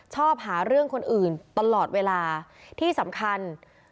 ชอบหาเรื่องคนอื่นตลอดเวลาที่สำคัญ